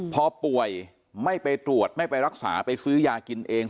พอป่วยไม่ไปตรวจไม่ไปรักษาไปซื้อยากินเอง